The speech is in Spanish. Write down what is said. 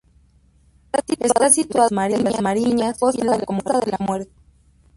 Está situado entre las Mariñas y la Costa de la Muerte.